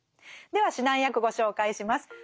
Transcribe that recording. では指南役ご紹介します。